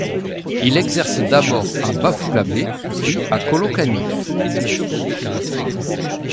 Il exerce d’abord à Bafoulabé puis à Kolokani.